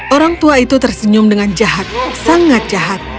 orang tua itu tersenyum dengan jahat sangat jahat